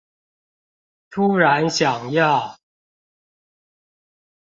突然想要